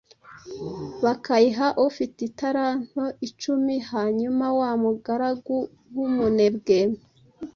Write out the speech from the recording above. bakayiha ufite italanto icumi, hanyuma wa mugaragu w’umunebwe,